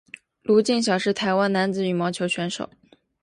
卢敬尧是台湾男子羽毛球选手。